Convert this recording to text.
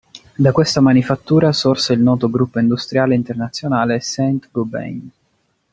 Da questa manifattura sorse il noto gruppo industriale internazionale Saint Gobain.